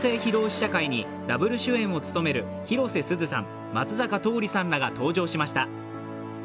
試写会にダブル主演を務める広瀬すずさん、松坂桃李さんらが登場しました。